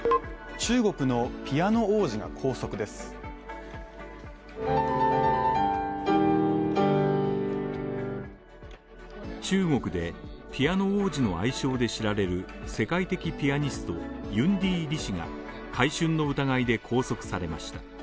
中国でピアノ王子の愛称で知られる世界的ピアニスト、ユンディ・リ氏が買春の疑いで拘束されました。